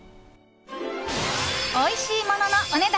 おいしいもののお値段